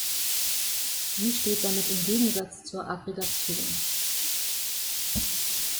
Sie steht damit im Gegensatz zur Aggregation.